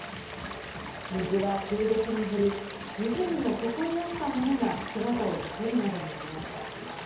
水は急激に減り、湖の底にあったものが姿を見せるまでになりました。